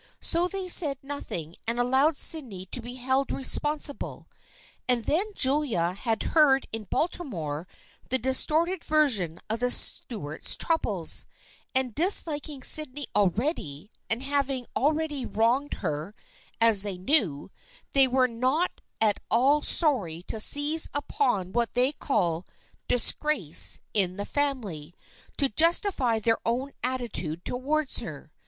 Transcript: So they said nothing and allowed Sydney to be held responsi ble. And then Julia had heard in Baltimore the distorted version of the Stuarts' troubles, and dis liking Sydney already and having already wronged her, as they knew, they were not at all sorry to seize upon what they called " disgrace in the THE FRIENDSHIP OF ANNE 231 family " to justify their own attitude towards her.